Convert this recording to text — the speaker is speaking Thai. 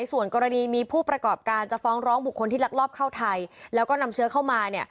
ส่วนกรณีมีผู้ประกอบการจะฟ้องร้องบุคคลที่ลักลอบเข้าไทยแล้วก็นำเชื้อเข้ามา